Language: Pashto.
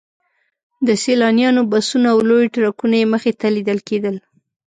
د سیلانیانو بسونه او لوی ټرکونه یې مخې ته لیدل کېدل.